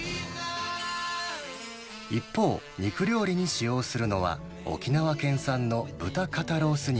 一方、肉料理に使用するのは、沖縄県産の豚肩ロース肉。